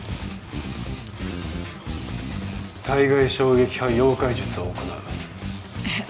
体外衝撃波溶解術を行うえっ！？